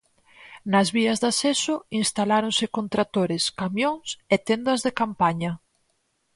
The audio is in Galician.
Nas vías de acceso instaláronse con tractores, camións e tendas de campaña.